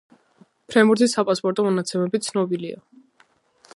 ფრენბურთის „საპასპორტო“ მონაცემები ცნობილია: